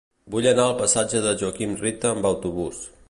Vull anar al passatge de Joaquim Rita amb autobús.